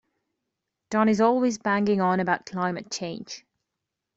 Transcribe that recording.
Don is always banging on about climate change.